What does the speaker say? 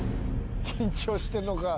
緊張してんのか。